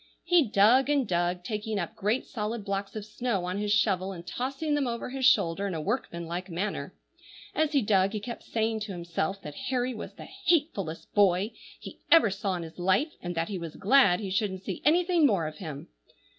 He dug and dug, taking up great solid blocks of snow on his shovel, and tossing them over his shoulder in a workman like manner. As he dug, he kept saying to himself that Harry was the hatefullest boy he ever saw in his life, and that he was glad he shouldn't see anything more of him.